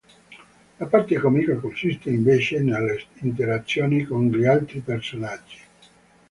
La parte comica consiste invece nelle interazioni con gli altri personaggi.